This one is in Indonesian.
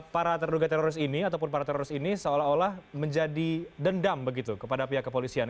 para terduga teroris ini ataupun para teroris ini seolah olah menjadi dendam begitu kepada pihak kepolisian